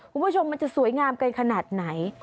คุณผู้ชมมันจะสวยงามกันขนาดไหน